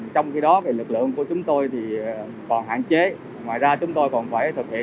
trong khi đó lực lượng của chúng tôi còn hạn chế ngoài ra chúng tôi còn phải thực hiện